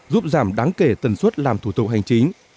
giúp giảm đáng kể tần suất làm thủ tục hành chính